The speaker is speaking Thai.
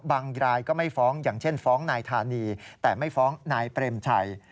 รายก็ไม่ฟ้องอย่างเช่นฟ้องนายธานีแต่ไม่ฟ้องนายเปรมชัย